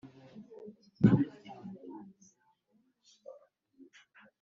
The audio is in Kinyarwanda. donner des dates différentes